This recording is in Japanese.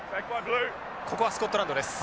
ここはスコットランドです。